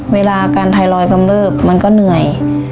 เวลาอาการไทรอยด์กำลับมันก็เหนื่อย